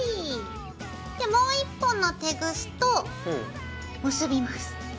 でもう１本のテグスと結びます。